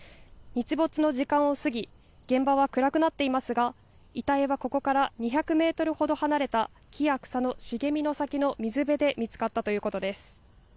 日没の時間を過ぎ、現場は暗くなっていますが遺体はここから２００メートルほど離れた木や草の茂みの先の水辺で見つかったということです。